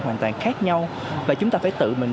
hoàn toàn khác nhau và chúng ta phải tự mình